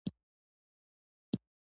کاکړ یو لرغونی پښتنی قوم دی.